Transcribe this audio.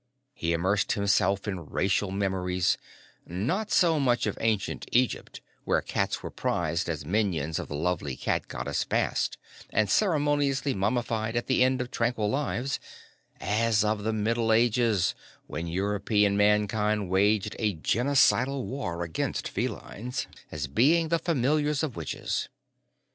He immersed himself in racial memories, not so much of Ancient Egypt where cats were prized as minions of the lovely cat goddess Bast and ceremoniously mummified at the end of tranquil lives, as of the Middle Ages, when European mankind waged a genocidal war against felines as being the familiars of witches.